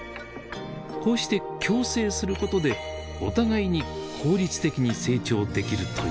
こうして共生することでお互いに効率的に成長できるというわけです。